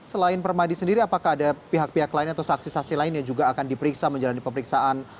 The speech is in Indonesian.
selain permadi sendiri apakah ada pihak pihak lain atau saksi saksi lain yang juga akan diperiksa menjalani pemeriksaan